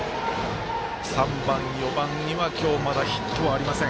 ３番、４番には今日まだヒットがありません。